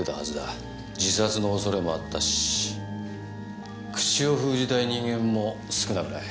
自殺の恐れもあったし口を封じたい人間も少なくない。